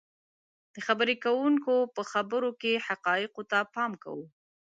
. د خبرې کوونکي په خبرو کې حقایقو ته پام کوو